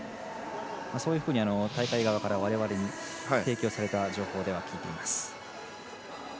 そういうふうに大会側から提供された情報でわれわれは聞いています。